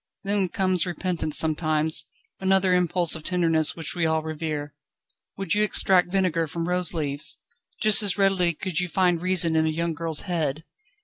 Then comes repentance sometimes: another impulse of tenderness which we all revere. Would you extract vinegar from rose leaves? Just as readily could you find reason in a young girl's head.